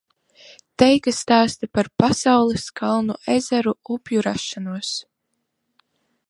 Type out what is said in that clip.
Teikas stāsta par pasaules, kalnu, ezeru, upju rašanos.